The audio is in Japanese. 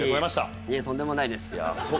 とんでもないですよ。